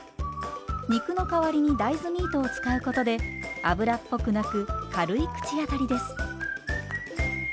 肉の代わりに大豆ミートを使うことで油っぽくなく軽い口当たりです。